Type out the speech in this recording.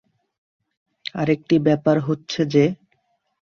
আরেকটি ব্যাপার হচ্ছে যে,